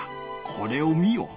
これを見よ。